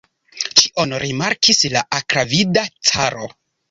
Ĉion rimarkis la akravida caro!